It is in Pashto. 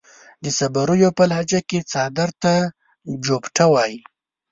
د صبريو پۀ لهجه کې څادر ته جوبټه وايي.